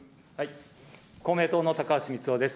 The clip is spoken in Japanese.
公明党の高橋光男です。